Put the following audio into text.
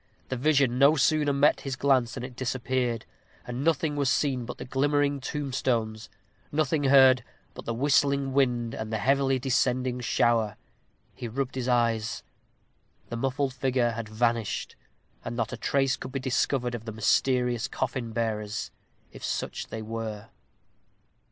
The vision no sooner met his glance than it disappeared, and nothing was seen but the glimmering tombstones nothing heard but the whistling wind and the heavily descending shower. He rubbed his eyes. The muffled figure had vanished, and not a trace could be discovered of the mysterious coffin bearers, if such they were.